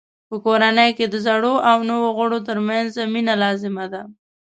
په کورنۍ کې د زړو او نویو غړو ترمنځ مینه لازمه ده.